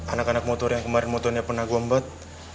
anak anak motor yang kemarin motornya pernah gombet